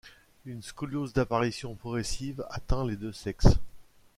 Une scoliose d'apparition progressive atteint les deux sexes.